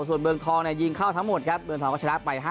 ส่วนเมืองทองยิงเข้าทั้งหมดครับเมืองทองก็ชนะไป๕